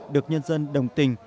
được nhân dân đồng tình